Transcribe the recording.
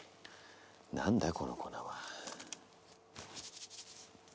何だこの粉は？